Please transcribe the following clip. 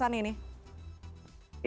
bagaimana penyelesaian ini